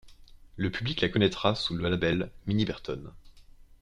Le public la connaîtra sous le label Mini Bertone.